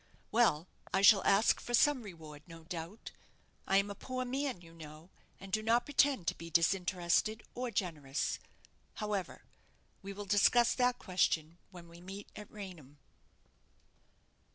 "Well, I shall ask for some reward, no doubt. I am a poor man, you know, and do not pretend to be disinterested or generous. However, we will discuss that question when we meet at Raynham."